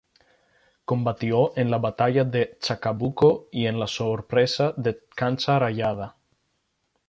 Combatió en la batalla de Chacabuco y en la sorpresa de Cancha Rayada.